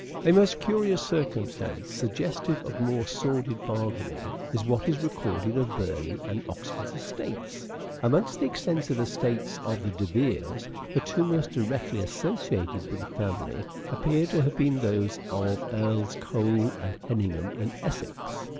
A most curious circumstance, suggestive of more Castle sordid bargaining, is what is recorded of Burleigh and Hedmgham Oxford's estates. Amongst the extensive estates of the De Veres, the two most directly associated with the family appear to have been those of Earls Colne and Hedingham in Essex.